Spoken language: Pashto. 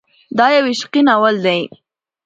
دا يو عشقي ناول دی.